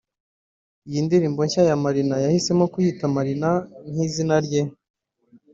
Iyi ndirimbo nshya ya Marina yahisemo kuyita ‘Marina’ nk’izina rye